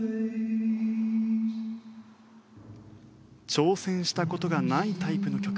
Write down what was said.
挑戦した事がないタイプの曲。